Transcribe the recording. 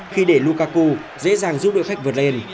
khi để lukau dễ dàng giúp đội khách vượt lên